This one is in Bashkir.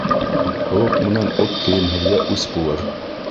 Һыуыҡ менән эт кейемһеҙгә үс булыр.